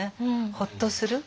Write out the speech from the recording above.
ほっとする。